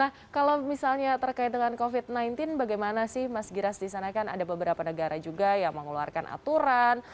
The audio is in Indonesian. nah kalau misalnya terkait dengan covid sembilan belas bagaimana sih mas giras di sana kan ada beberapa negara juga yang mengeluarkan aturan